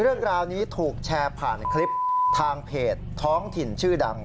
เรื่องราวนี้ถูกแชร์ผ่านคลิปทางเพจท้องถิ่นชื่อดัง